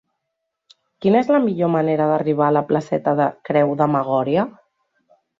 Quina és la millor manera d'arribar a la placeta de Creu de Magòria?